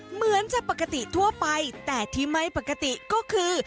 เหมือนจะปกติทั่วไปแต่ที่ไม่ปกติก็คือ